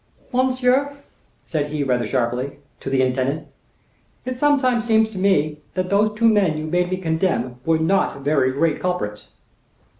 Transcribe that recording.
"Monsieur," said he rather sharply, to the intendant; "it sometimes seems to me that those two men you made me condemn were not very great culprits."